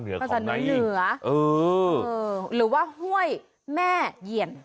ภาษาเหนือหรือว่าห้วยแม่เหยียน